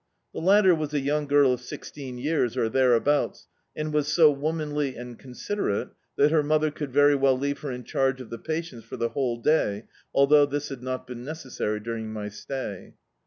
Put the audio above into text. The latter was a young girl of sixteen years, or thereabouts, and was so womanly and considerate that her mother could very well leave her in charge of the patients for the whole day, although this had not been necessary during my stay.